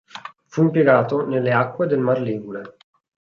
Fu impiegato nelle acque del Mar Ligure.